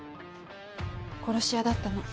殺し屋だったの。